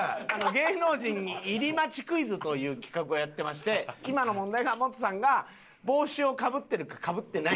芸能人入り待ちクイズという企画をやってまして今の問題がモトさんが帽子をかぶってるかかぶってないかって。